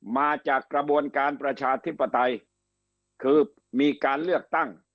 มาจากกระบวนการประชาธิปไตยคือมีการเลือกตั้ง